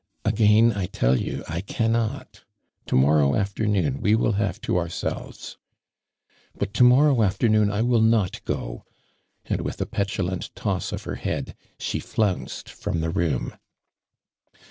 " Again, I tell you, I cannot. To morrow afternoon wo will have to ourselves." ♦' But tomorrow afternoon I will not go !'' and with a petulant toss of her head, .she flounced from the room.